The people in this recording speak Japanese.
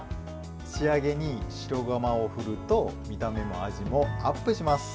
仕上げに白ごまを振ると見た目も味もアップします。